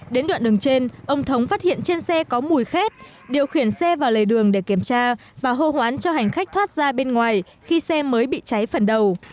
đến đoạn đường trên ông thống phát hiện trên xe có mùi khét điều khiển xe vào lề đường để kiểm tra và hô hoán cho hành khách thoát ra bên ngoài khi xe mới bị cháy phần đầu